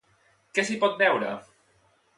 Què s'hi pot veure?